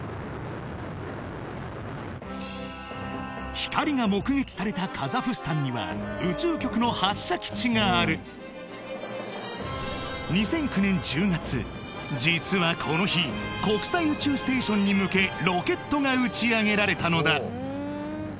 光が目撃されたカザフスタンには宇宙局の発射基地がある２００９年１０月実はこの日国際宇宙ステーションに向けロケットが打ち上げられたのだ